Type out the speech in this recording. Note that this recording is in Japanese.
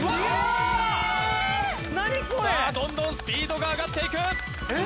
さあどんどんスピードが上がっていくえっ？